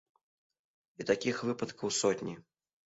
І такіх выпадкаў сотні.